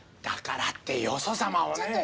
だからってよそ様をね。